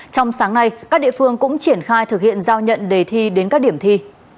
trong sáng nay các địa phương cũng triển khai thực hiện giao nhận đề thi đến các điểm thi